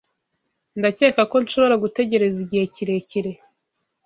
Ndakeka ko nshobora gutegereza igihe kirekire.